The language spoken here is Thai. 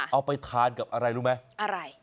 เอาไปทานกับอะไรรู้ไหมอะไร